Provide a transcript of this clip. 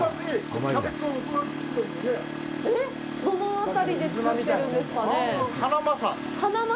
どの辺りで作ってるんですかね。